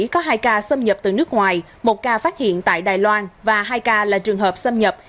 có hai ca xâm nhập từ nước ngoài một ca phát hiện tại đài loan và hai ca là trường hợp xâm nhập